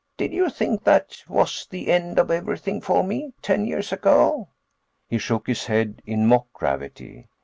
Did you think that was the end of everything for me, ten years ago?" He shook his head in mock gravity.